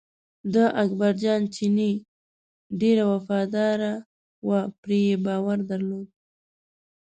د اکبر جان چینی ډېر وفاداره و پرې یې باور درلود.